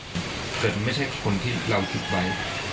ถ้าเกิดไม่ใช่คนที่เราคิดไว้